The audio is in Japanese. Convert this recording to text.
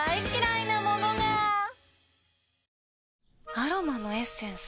アロマのエッセンス？